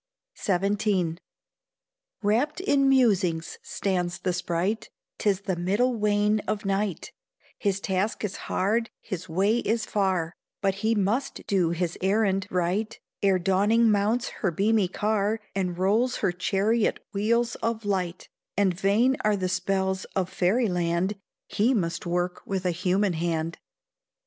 XVII. Wrapped in musing stands the sprite: 'Tis the middle wane of night, His task is hard, his way is far, But he must do his errand right Ere dawning mounts her beamy car, And rolls her chariot wheels of light; And vain are the spells of fairy land, He must work with a human hand.